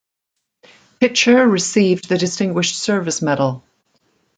Pitcher received the Distinguished Service Medal.